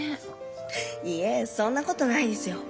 いいえそんなことないですよ。